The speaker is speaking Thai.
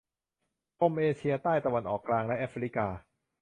กรมเอเชียใต้ ตะวันออกกลาง และแอฟริกา